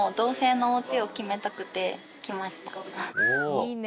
いいね。